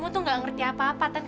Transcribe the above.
kadang kadang terlambat itu